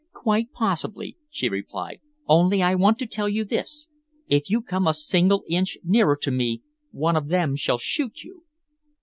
"Quite possibly," she replied, "only I want to tell you this. If you come a single inch nearer to me, one of them shall shoot you."